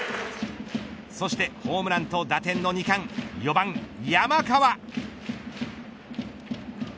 そしてホームランと打点の２冠４番、山川。